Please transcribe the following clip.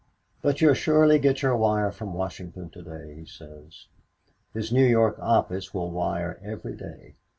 But you'll surely get your wire from Washington to day, he says. His New York office will wire every day.